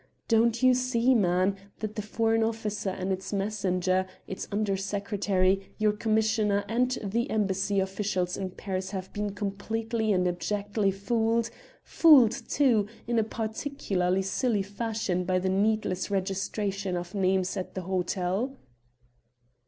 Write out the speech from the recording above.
Don't you see, man, that the Foreign Office and its messenger, its Under Secretary, your Commissioner, and the Embassy officials in Paris have been completely and abjectly fooled fooled, too, in a particularly silly fashion by the needless registration of names at the hotel?"